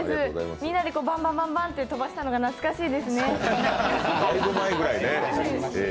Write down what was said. みんなでバンバン、バンバンってやったのが懐かしいです。